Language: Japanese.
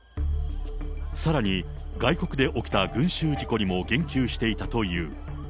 さらに、外国で起きた群衆事故にも言及していたという。